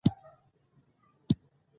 رسۍ د زاړه وخت یو اړین وسیله ده.